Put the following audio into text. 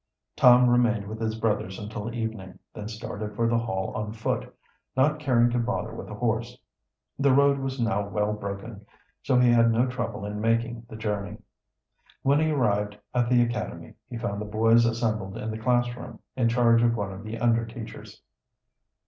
Tom remained with his brothers until evening; then started for the Hall on foot, not caring to bother with a horse. The road was now well broken, so he had no trouble in making the journey. When he arrived at the Academy he found the boys assembled in the classroom, in charge of one of the under teachers.